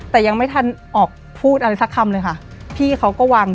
แต่ยังไม่ทันออกพูดอะไรสักคำเลยค่ะ